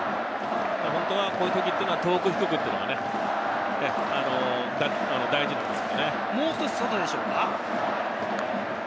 本当はこういう時は遠く低くというのが大事です。